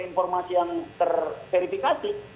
informasi yang terverifikasi